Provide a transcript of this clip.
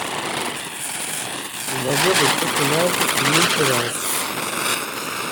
Les navires de gros tonnage y mouillent au large.